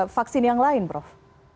vaksin yang lain prof